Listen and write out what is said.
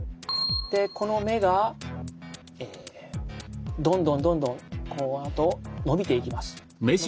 この芽がどんどんどんどんこのあと伸びていきます。